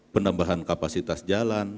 penambahan kapasitas jalan